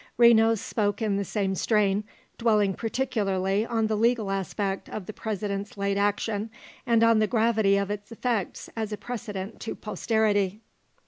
Renos spoke in the same strain, dwelling particularly on the legal aspect of the President's late action, and on the gravity of its effects as a precedent to posterity.